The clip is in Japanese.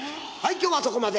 今日はそこまで」。